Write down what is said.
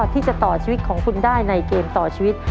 ที่จะต่อชีวิตของคุณได้ในเกมต่อชีวิต